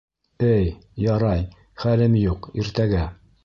Эй, ярай, хәлем юҡ, иртәгә...